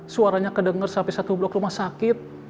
suaranya kedenger sampai satu blok rumah sakit